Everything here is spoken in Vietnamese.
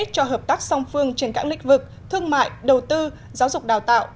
cho hợp tác song phương trên các lĩnh vực thương mại đầu tư giáo dục đào tạo